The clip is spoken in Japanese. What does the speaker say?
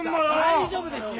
大丈夫ですよ！